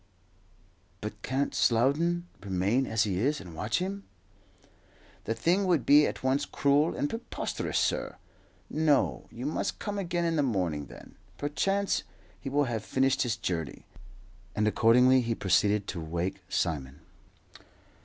"But can't Slowden remain as he is and watch him?" "The thing would be at once cruel and preposterous, sir. No, you must come again in the morning; then, perchance, he will have finished his journey;" and accordingly he proceeded to awake Simon.